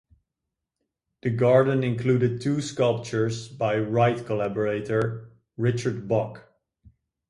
The garden included two sculptures by Wright collaborator Richard Bock.